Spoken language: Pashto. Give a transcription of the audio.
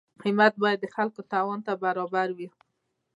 قیمت باید د خلکو توان ته برابر وي.